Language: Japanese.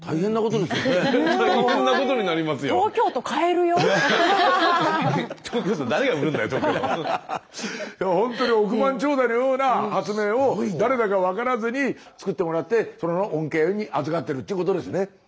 でもほんとに億万長者のような発明を誰だか分からずに作ってもらってその恩恵にあずかってるっちゅうことですね。